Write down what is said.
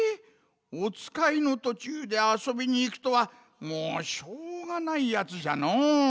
おつかいのとちゅうであそびにいくとはもうしょうがないやつじゃのう。